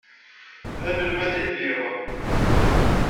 D anelmad i lliɣ.